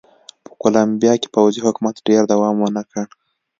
په کولمبیا کې پوځي حکومت ډېر دوام ونه کړ.